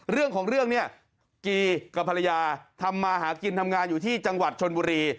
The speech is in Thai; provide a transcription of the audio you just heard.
เรื่องของเรื่องเนี่ยกีกับภรรยาทำมาหากินทำงานอยู่ที่จังหวัดชนบุรี